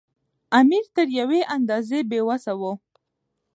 امیر تر یوې اندازې بې وسه وو.